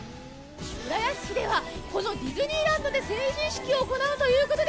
浦安市ではこのディズニーランドで成人式を行うということで、